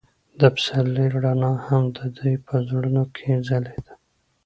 د پسرلی رڼا هم د دوی په زړونو کې ځلېده.